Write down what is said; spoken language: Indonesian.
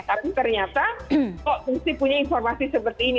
tapi ternyata kok mesti punya informasi seperti ini